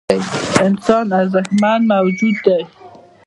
انسان ارزښتمن موجود دی .